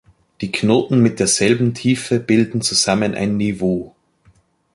Die Knoten mit derselben Tiefe bilden zusammen ein "Niveau".